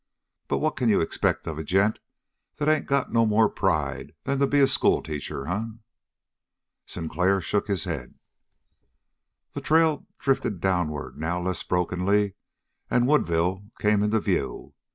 But what can you expect of a gent that ain't got no more pride than to be a schoolteacher, eh?" Sinclair shook his head. The trail drifted downward now less brokenly, and Woodville came into view.